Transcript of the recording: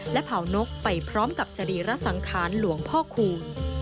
และเผานกไปพร้อมกับสรีระสังขารหลวงพ่อคูณ